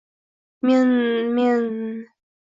— Men... men...